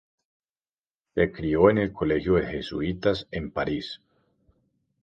Se crio en el Colegio de jesuitas en París.